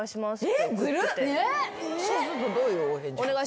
そうするとどういうお返事？